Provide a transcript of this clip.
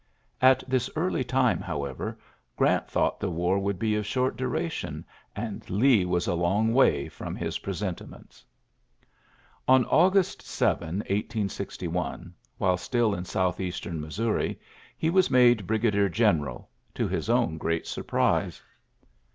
At this early time, however, Grant thought the war would be of short dura tion ; and Lee was a long way fi*om his presentiments. On August 7, 1861, while still in south eastern Missouri, he was made brigadier general, to his own great sur prise.